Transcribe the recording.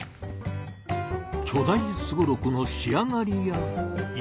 巨大すごろくの仕上がりやいかに？